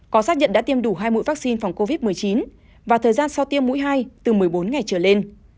có xác nhận đã tiêm đủ hai mũi vaccine phòng covid một mươi chín và thời gian sau tiêm mũi hai từ một mươi bốn ngày trở lên